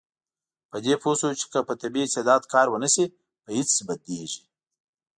په دې پوه شو چې که په طبیعي استعداد کار ونشي، په هېڅ بدلیږي.